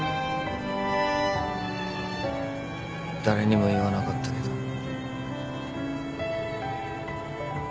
誰にも言わなかったけど。